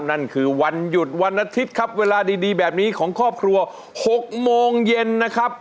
นั่นคือวันหยุดวันอาทิตย์ครับเวลาดีแบบนี้ของครอบครัว๖โมงเย็นนะครับ